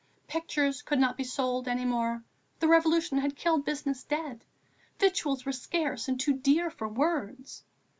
Pictures could not be sold any more; the Revolution had killed business dead. Victuals were scarce and too dear for words....